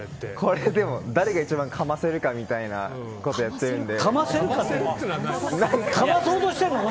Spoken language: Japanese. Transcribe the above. でも、誰が一番かませるかみたいなことをやってるので。